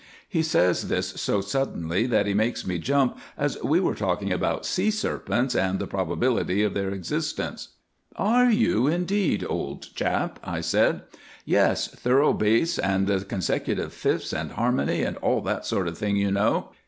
He says this so suddenly that he makes me jump, as we were talking about sea serpents and the probability of their existence. "Are you indeed, old chap," I said. "Yes, thorough bass, and consecutive fifths and harmony and all that sort of thing, you know.